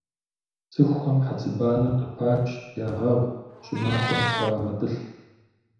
ЦӀыхухэм хьэцыбанэр къыпач, ягъэгъу, щӀымахуэм хуагъэтӀылъ.